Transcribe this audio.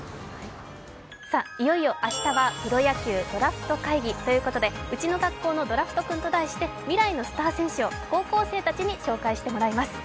いよいよ明日はプロ野球ドラフト会議ということで「うちの学校のドラフトくん」と題して未来のスター選手を高校生たちに紹介してもらいます。